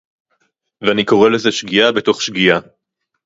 ואני קורא לזה שגיאה בתוך שגיאה